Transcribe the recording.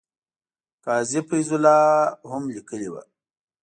قاضي فیض الله هم لیکلي وو.